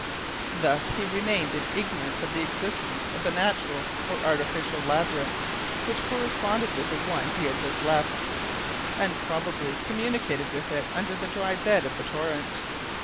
Thus he remained in ignorance of the existence of the natural or artificial labyrinth which corresponded with the one he had just left, and probably communicated with it under the dry bed of the torrent.